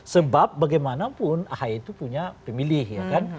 sebab bagaimanapun ahy itu punya pemilih ya kan